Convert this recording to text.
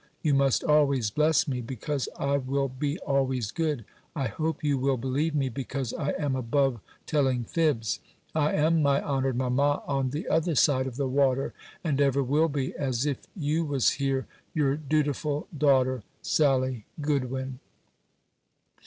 You must always bless me, because I will be always good. I hope you will believe me, because I am above telling fibs. I am, my honoured mamma on the other side of the water, and ever will be, as if you was here, your dutiful daughter, "SALLY GOODWIN."